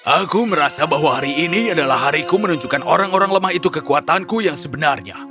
aku merasa bahwa hari ini adalah hariku menunjukkan orang orang lemah itu kekuatanku yang sebenarnya